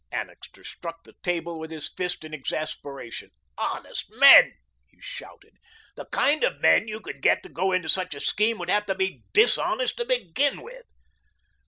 Annixter struck the table with his fist in exasperation. "Honest men!" he shouted; "the kind of men you could get to go into such a scheme would have to be DIS honest to begin with."